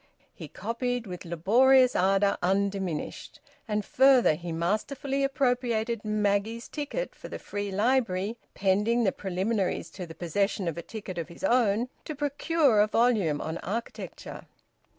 He copied with laborious ardour undiminished. And further, he masterfully appropriated Maggie's ticket for the Free Library, pending the preliminaries to the possession of a ticket of his own, to procure a volume on architecture.